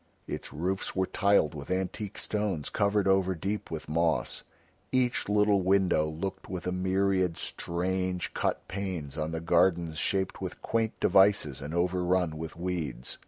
Its roofs were tiled with antique stones covered over deep with moss, each little window looked with a myriad strange cut panes on the gardens shaped with quaint devices and overrun with weeds.